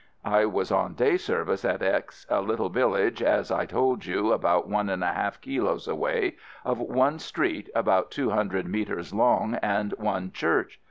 I was on day service at X a little village, as I told you, about one and one half kilos away, of one street about two hundred metres long and one church.